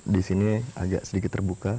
di sini agak sedikit terbuka